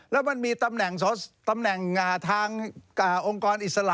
แล้วมันมีตำแหน่งทางองค์กรอิสระ